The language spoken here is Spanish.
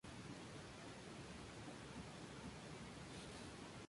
Liliana Lukin despliega su obra desde diferentes ejes conceptuales.